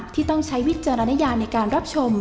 ต้องใช้วิจารณญาในการรับชม